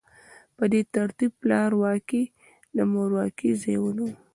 په دې ترتیب پلارواکۍ د مورواکۍ ځای ونیو.